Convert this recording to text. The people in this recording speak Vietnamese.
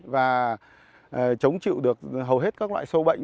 và chống chịu được hầu hết các loại sâu bệnh